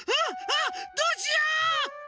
あっどうしよう！？